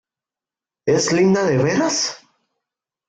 ¿ es linda de veras?